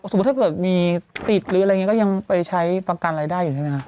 สมมุติเกิดมีติดอะไรอยู่ก็ยังไปใช้ปังกันรายได้อยู่ได้ไหมฮะ